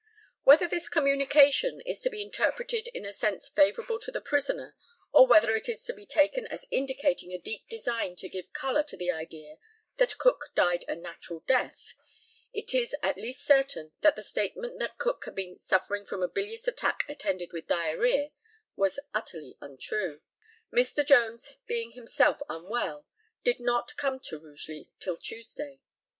Whether this communication is to be interpreted in a sense favourable to the prisoner, or whether it is to be taken as indicating a deep design to give colour to the idea that Cook died a natural death, it is at least certain that the statement that Cook had been "suffering from a bilious attack attended with diarrhœa," was utterly untrue. Mr. Jones being himself unwell, did not come to Rugeley till Tuesday.